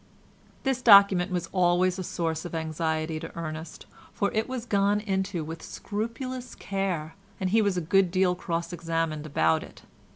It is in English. This document was always a source of anxiety to Ernest, for it was gone into with scrupulous care, and he was a good deal cross examined about it.